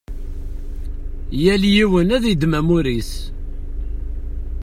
Yal yiwen ad yeddem amur-is.